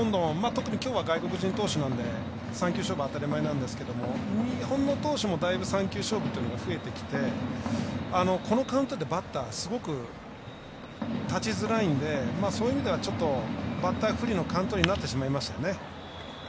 特にきょうは外国人投手なので３球勝負当たり前なんですけど日本の投手もだいぶ３球勝負が増えてきてこのカウント、バッターすごく立ちづらいのでそういう意味ではちょっとバッター不利のカウントになってしまいましたね。